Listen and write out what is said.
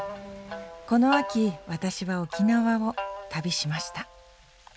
この秋私は沖縄を旅しました。